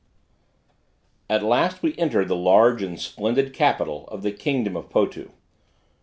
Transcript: At last, we entered the large and splendid capital of the kingdom of Potu.